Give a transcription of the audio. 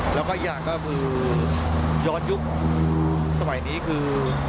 แล้วก็อีกอย่างก็คือย้อนยุคสมัยนี้คือ